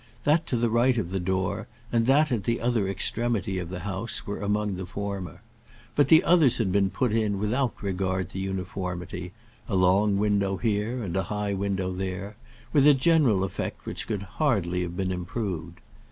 That to the right of the door, and that at the other extremity of the house, were among the former. But the others had been put in without regard to uniformity, a long window here, and a high window there, with a general effect which could hardly have been improved.